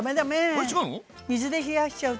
あれ違うの？